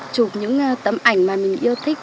chụp những tấm ảnh mà mình yêu thích